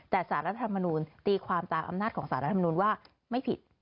แต่สารรัฐธรรมนูลตีความตามอำนาจของสารรัฐมนุนว่าไม่ผิด